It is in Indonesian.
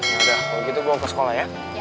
yaudah kalau gitu gue mau ke sekolah ya